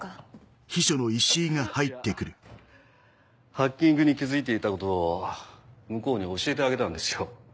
ハッキングに気付いていたことを向こうに教えてあげたんですよ。